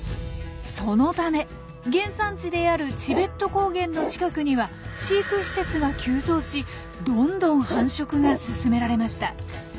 そのため原産地であるチベット高原の近くには飼育施設が急増しどんどん繁殖が進められました。